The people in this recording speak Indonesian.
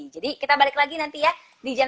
jadi kita balik lagi nanti ya di jam sembilan belas